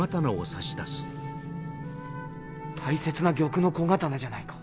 大切な玉の小刀じゃないか。